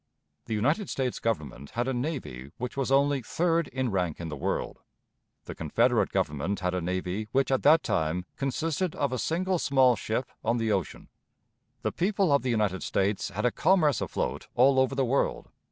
The United States Government had a navy which was only third in rank in the world. The Confederate Government had a navy which at that time consisted of a single small ship on the ocean. The people of the United States had a commerce afloat all over the world.